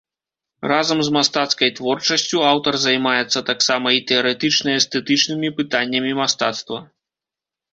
Разам з мастацкай творчасцю, аўтар займаецца таксама і тэарэтычна-эстэтычнымі пытаннямі мастацтва.